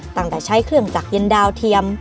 ตั้งแต่ใช้เครื่องจักรเย็นดาวเทียม